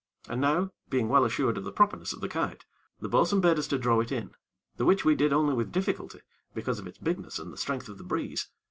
And now, being well assured of the properness of the kite, the bo'sun bade us to draw it in, the which we did only with difficulty, because of its bigness and the strength of the breeze.